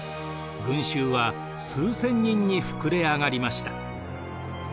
群衆は数千人に膨れ上がりました。